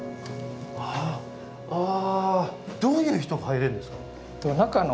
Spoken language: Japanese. あああどういう人が入れるんですか？